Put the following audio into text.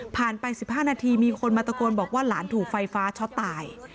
ไป๑๕นาทีมีคนมาตะโกนบอกว่าหลานถูกไฟฟ้าช็อตตาย